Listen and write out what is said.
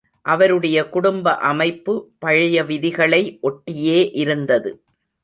அவருடைய குடும்ப அமைப்பு பழைய விதிகளை ஒட்டியே இருந்தது.